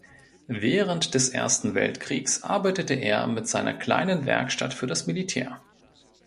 Während des Ersten Weltkriegs arbeitete er mit seiner kleinen Werkstatt für das Militär.